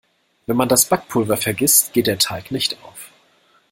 Wenn man das Backpulver vergisst, geht der Teig nicht auf.